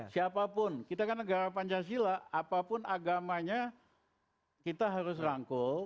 siapapun kita kan negara pancasila apapun agamanya kita harus rangkul